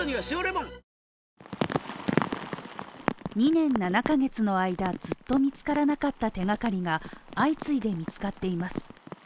２年７ヶ月の間、ずっと見つからなかった手がかりが相次いで見つかっています。